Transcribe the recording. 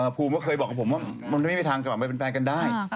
ภูมิก็เคยบอกกับผมว่ามันไม่มีทางจะแบบไปเป็นแฟนกันได้